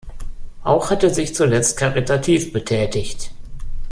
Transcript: Auch hat er sich zuletzt karitativ betätigt.